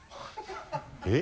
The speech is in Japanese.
えっ？